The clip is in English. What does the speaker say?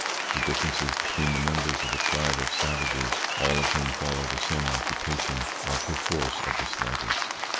The differences between the members of a tribe of savages, all of whom follow the same occupation, are perforce of the slightest.